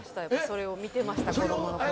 それを見てました子どものころ。